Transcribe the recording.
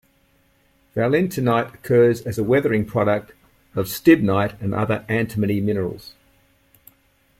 Valentinite occurs as a weathering product of stibnite and other antimony minerals.